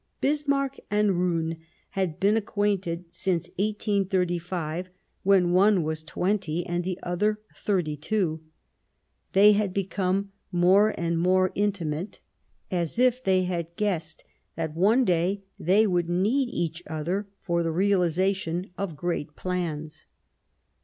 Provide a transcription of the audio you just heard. Bismarck and Roon had been acquainted since 1835, when one was twenty and the other thirty two ; they had become more and more inti mate, as if they had guessed that one day they would need each other for the realisation of great plans.